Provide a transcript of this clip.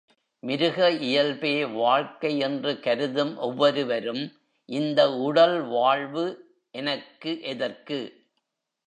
மிருக இயல்பே வாழ்க்கை என்று கருதும் ஒவ்வொருவரும், இந்த உடல் வாழ்வு எனக்கு எதற்கு?